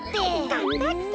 がんばって！